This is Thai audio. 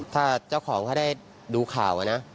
ถ้าเจ้าของเขาได้ดูข่าวนะ